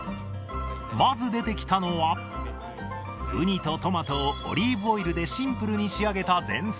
まず出てきたのは、ウニとトマトをオリーブオイルでシンプルに仕上げた前菜。